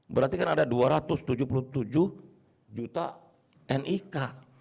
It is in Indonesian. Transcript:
berarti kan ada dua ratus tujuh puluh tujuh juta nik